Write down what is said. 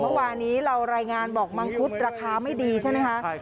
เมื่อวานี้เรารายงานบอกมังคุดราคาไม่ดีใช่ไหมคะ